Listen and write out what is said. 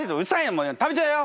もう食べちゃうよ！